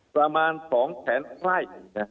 ประมาณสองแขนทราย